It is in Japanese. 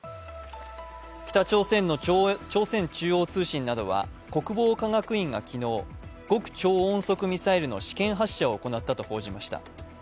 北朝鮮の朝鮮中央通信などは国防科学院が昨日極超音速ミサイルの試験発射を行ったと発表しました。